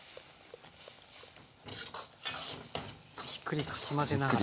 じっくりかき混ぜながら。